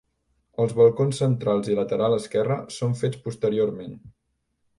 Els balcons centrals i lateral esquerre són fets posteriorment.